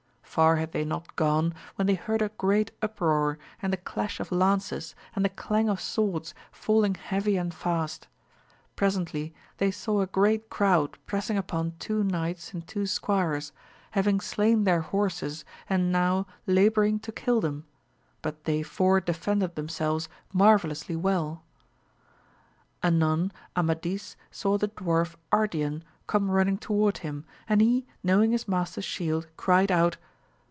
Far had they not gone when they heard a great uproar and the clash of lances and the clang of swords falling heavy and fast. Presently they saw a great crowd pressing upon two knights and two squires, having slain their horses and now labouring to kill them, but they four defended themselves marvellously weU.^ Anon Amadis saw the dwarf Ardian come running toward him, and he knowing his master's shield, cried out